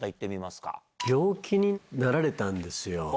病気になられたんですよ。